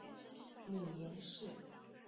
母颜氏。